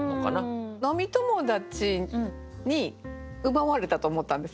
飲み友達に奪われたと思ったんです。